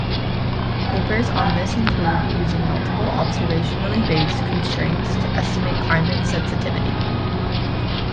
Papers on this include "Using multiple observationally-based constraints to estimate climate sensitivity".